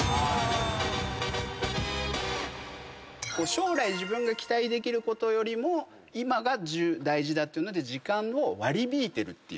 将来自分が期待できることよりも今が大事だというので時間を割り引いてるっていう状態で。